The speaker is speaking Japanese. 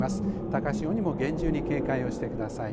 高潮にも厳重に警戒をしてください。